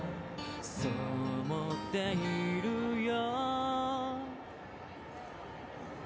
そう思っているよ